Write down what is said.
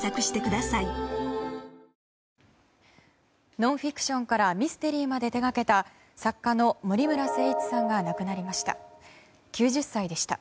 ノンフィクションからミステリーまで手掛けた作家の森村誠一さんが亡くなりました。